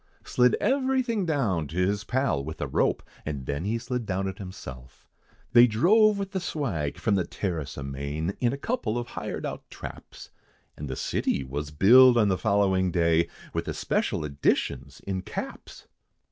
Slid everything down to his pal, with a rope, And then he slid down it himself, They drove with the swag, from the terrace amain, In a couple of hired out traps; And the city, was billed on the following day, With the Special Editions in caps!